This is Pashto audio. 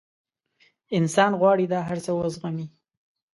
انسان غواړي دا هر څه وزغمي.